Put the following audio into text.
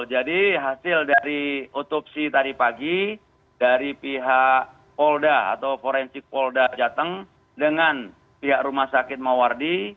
jadi hasil dari otopsi tadi pagi dari pihak polda atau forensik polda jateng dengan pihak rumah sakit mowardi